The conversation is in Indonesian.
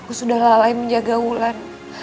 aku sudah lalai menjaga wulan